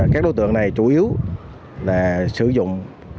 các đối tượng này chủ yếu là sử dụng